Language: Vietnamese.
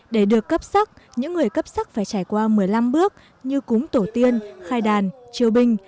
để được cấp sắc những người cấp sắc phải trải qua một mươi năm bước như cúng tổ tiên khai đàn triều binh